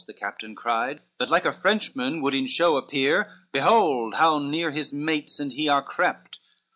the captain cried, "That like a Frenchman would in show appear, Behold how near his mates and he are crept!"